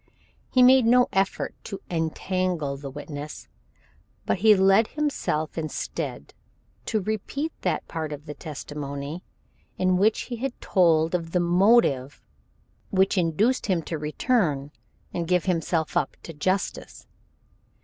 He made no effort to entangle the witness, but he led him instead to repeat that part of his testimony in which he had told of the motive which induced him to return and give himself up to justice.